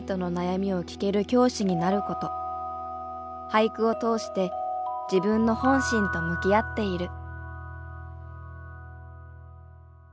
俳句を通して自分の本心と向き合っている。